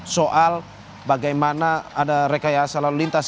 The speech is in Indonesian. soal bagaimana ada rekayasa lalu lintas